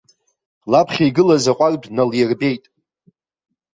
Лаԥхьа игылаз аҟәардә налирбеит.